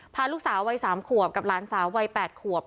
พาลูกสาววัย๓ขวบกับหลานสาววัย๘ขวบ